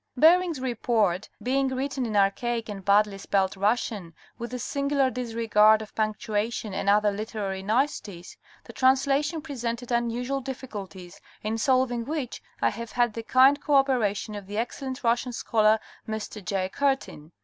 Bering's Report being written in archaic and badly spelled Russian, with a singular disregard of punctuation and other literary niceties, the translation presented unusual difficulties, in solving which I have had the kind codperation of that excellent Russian scholar Mr. J. Curtin.